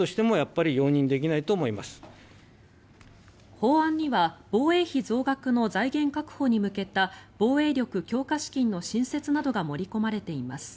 法案には防衛費増額の財源確保に向けた防衛力強化資金の新設などが盛り込まれています。